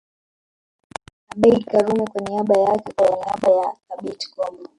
Abeid Karume kwa niaba yake na kwa niaba ya Thabit Kombo